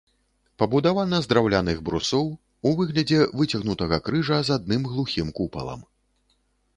Пабудавана з драўляных брусоў, у выглядзе выцягнутага крыжа з адным глухім купалам.